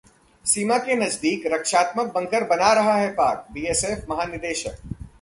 सीमा के नजदीक रक्षात्मक बंकर बना रहा है पाक: बीएसफ महानिदेशक